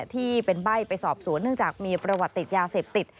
ที่เป็นใบ้ไปสอบสวนเนื่องจากมีประวัติติดยาเสพติด